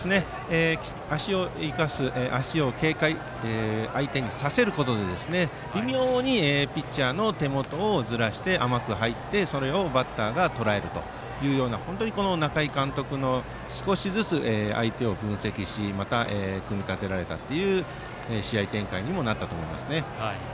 足を生かす足を相手に警戒させることで微妙にピッチャーの手元をずらして甘く入って、それをバッターがとらえるというような本当に中井監督が少しずつ相手を分析しまた、組み立てられたという試合展開にもなったと思います。